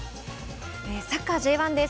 サッカーＪ１です。